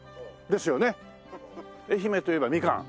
愛媛といえばみかん。